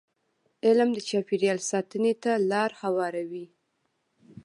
علم د چاپېریال ساتنې ته لاره هواروي.